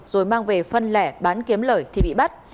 rồi mang về phân lẻ bán kiếm lời thì bị bắt